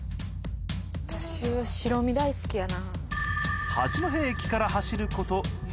私白身大好きやな。